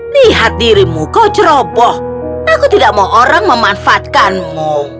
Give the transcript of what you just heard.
lihat dirimu kau ceroboh aku tidak mau orang memanfaatkanmu